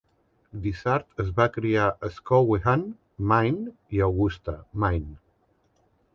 Dysart es va criar a Skowhegan, Maine i Augusta, Maine.